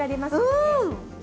うん！